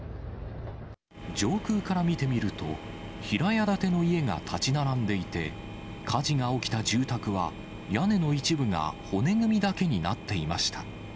上空から見てみると、平屋建ての家が建ち並んでいて、火事が起きた住宅は屋根の一部が骨組みだけになっていました。